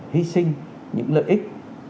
hy sinh những lợi ích